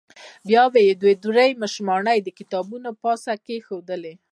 بیا به یې دوې درې مشواڼۍ د کتابونو پر پاسه کېښودلې.